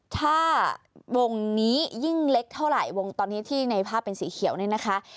ถ้าวงนี้ยิ่งเล็กเท่าไหร่วงตอนนี้ที่ในภาพเป็นสีเขียวเนี่ยนะคะ